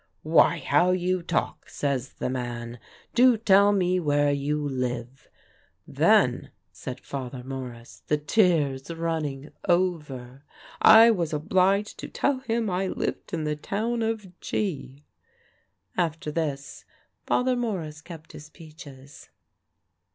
'Why, how you talk!' says the man; 'do tell me where you live?' Then," said Father Morris, the tears running over, "I was obliged to tell him I lived in the town of G." After this Father Morris kept his peaches.